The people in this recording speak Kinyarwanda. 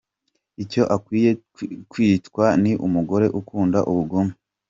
Icyo akwiye kwitwa ni umugore ukunda ubugome.